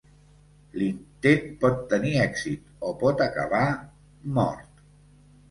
L'intent pot tenir èxit o pot acabar... "Mort".